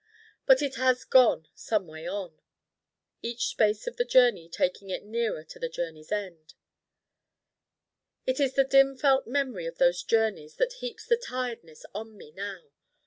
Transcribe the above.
But it has gone someway on, each space of the journey taking it nearer to the journey's End. It is the dim felt memory of those journeys that heaps the Tiredness on me now.